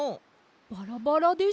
バラバラでした。